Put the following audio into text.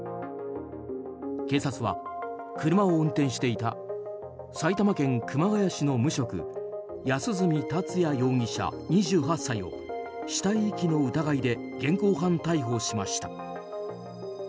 警察は車を運転していた埼玉県熊谷市の無職安栖達也容疑者、２８歳を死体遺棄の疑いで現行犯逮捕しました。